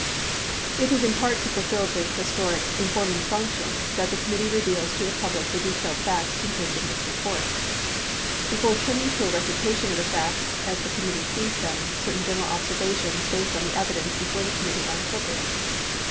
It is in part to fulfill the historic "informing function" that the com mittee reveals to the public the detailed facts contained in this report. Before turning to a recitation of the facts as the committee sees them, certain general observations based on the evidence before the committee are appropriate.